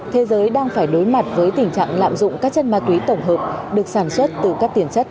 thế giới đang phải đối mặt với tình trạng lạm dụng các chất ma túy tổng hợp được sản xuất từ các tiền chất